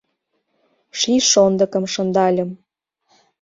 Ший шондыкым шындальым